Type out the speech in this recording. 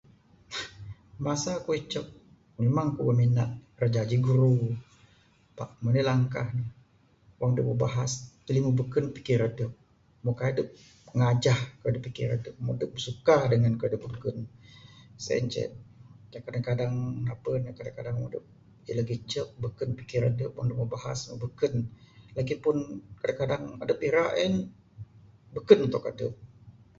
Masa ku icek, mimang ku minat rak jaji guru pak meng anih langkah ne, wang dep meh bahas tuli meh beken pikir adep, meh ngajah kayuh da pikir adep meh dep suka dengan kayuh da beken. Sien ceh kadang kadang napeh ne kadang kadang wang ngicek beken pikir adep wang adep meh bahas meh beken, lagipun kadang kadang adep ira en beken untuk adep.